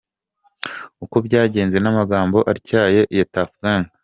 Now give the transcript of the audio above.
Uko byagenze n’amagambo atyaye ya Tuff Gang.